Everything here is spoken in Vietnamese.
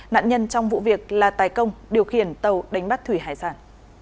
nạn nhân trong vụ việc là tài công điều khiển tàu đánh bắt thủy hải sản